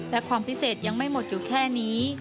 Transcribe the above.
และความพิเศษยังไม่หมดอยู่แค่นี้